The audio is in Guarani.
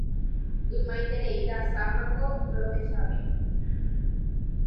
Ymaitereirasámako ndorojoechavéi.